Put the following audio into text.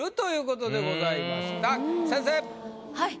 はい。